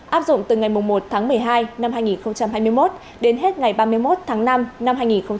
áp dụng từ ngày một tháng một mươi hai năm hai nghìn hai mươi một đến hết ngày ba mươi một tháng năm năm hai nghìn hai mươi bốn